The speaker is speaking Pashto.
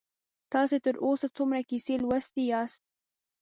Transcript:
تاسې تر اوسه څومره کیسې لوستي یاست؟